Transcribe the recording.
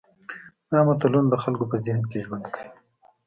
دا ملتونه د خلکو په ذهن کې ژوند کوي.